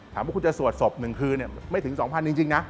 ว่าคุณจะสวดศพ๑คืนไม่ถึง๒๐๐จริงนะ